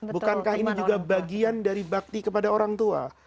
bukankah ini juga bagian dari bakti kepada orang tua